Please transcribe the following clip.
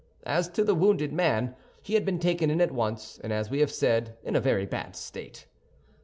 As to the wounded man, he had been taken in at once, and, as we have said, in a very bad state.